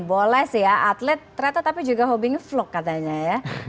boleh sih ya atlet ternyata tapi juga hobi nge vlog katanya ya